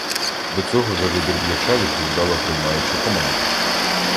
До цього за вибір м'яча відповідала приймаюча команда.